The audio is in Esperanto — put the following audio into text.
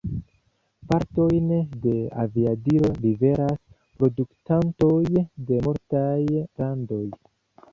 Partojn de aviadilo liveras produktantoj de multaj landoj.